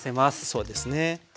そうですね。